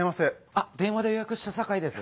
あっ電話で予約した酒井です。